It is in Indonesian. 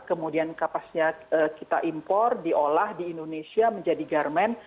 kemudian kapasitas kita impor diolah di indonesia menjadi garmen